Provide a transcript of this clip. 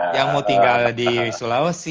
yang mau tinggal di sulawesi